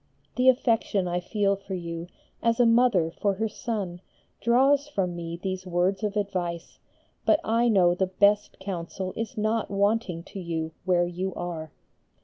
The affection I feel for you, as a mother for her son, draws from me these words of advice, but I know the best counsel is not wanting to you where you are.